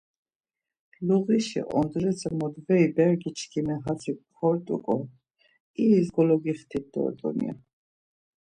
Luğişi ondretze modveri bergi çkimi hatzi kort̆uǩon iris gologixtit dort̆un ya.